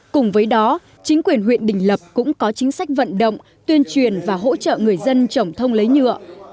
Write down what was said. cùng với đó chính quyền huyện đình lập cũng có chính sách vận động tuyên truyền và hỗ trợ người dân trồng thông lấy nhựa